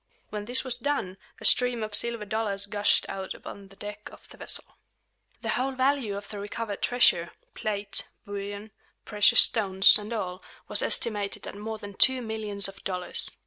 When this was done, a stream of silver dollars gushed out upon the deck of the vessel. The whole value of the recovered treasure, plate, bullion, precious stones, and all, was estimated at more than two millions of dollars.